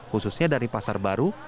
khususnya dari pasar baru